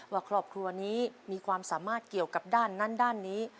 ว่าครอบครัวนี้มีความสามารถเกี่ยวกับด้านนั้นด้านนี้